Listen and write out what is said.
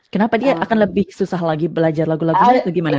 kenapa dia akan lebih susah lagi belajar lagu lagunya atau gimana